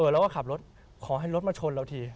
เราก็ขับรถขอให้รถมาชนเราที